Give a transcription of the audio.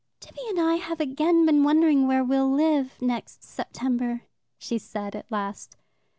"Tibby and I have again been wondering where we'll live next September," she said at last.